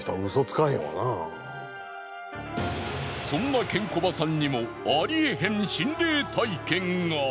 そんなケンコバさんにもありえへん心霊体験が。